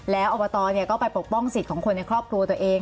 แล้วอบตก็ไปปกป้องสิทธิ์ของคนในครอบครัวตัวเอง